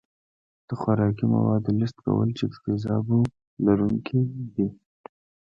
د خوراکي موادو لست کول چې د تیزابونو لرونکي دي.